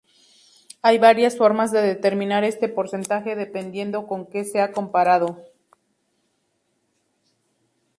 Hay varias formas de determinar este porcentaje dependiendo con que sea comparado.